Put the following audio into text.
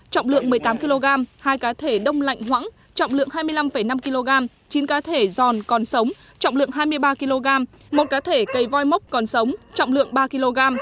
trọng lượng một mươi tám kg hai cá thể đông lạnh hoãn trọng lượng hai mươi năm năm kg chín cá thể giòn còn sống trọng lượng hai mươi ba kg một cá thể cây voi mốc còn sống trọng lượng ba kg